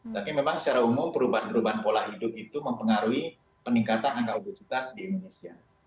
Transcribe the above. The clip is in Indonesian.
tapi memang secara umum perubahan perubahan pola hidup itu mempengaruhi peningkatan angka obesitas di indonesia